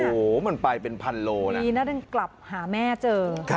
โอ้โหมันไปเป็นพันโลนะดีนะดันกลับหาแม่เจอ